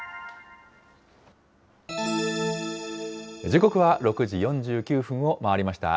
時刻は６時４９分を回りました。